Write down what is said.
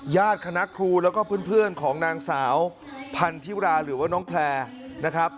คณะครูแล้วก็เพื่อนของนางสาวพันธิราหรือว่าน้องแพลร์นะครับ